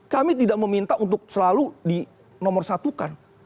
kami tidak meminta untuk selalu di nomor satukan